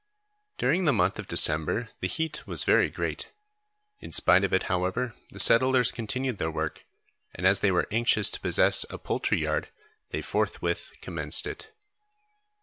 During the month of December, the heat was very great. In spite of it however, the settlers continued their work, and as they were anxious to possess a poultry yard they forthwith commenced it.